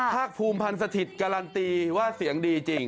ภาคภูมิพันธ์สถิตย์การันตีว่าเสียงดีจริง